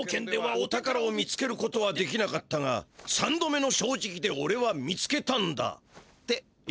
「お宝を見つけることはできなかったが３度目の正直でおれは見つけたんだ」って言ってるぜ。